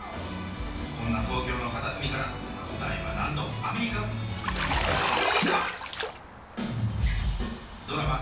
こんな東京の片隅から舞台はなんとアメリカドラマ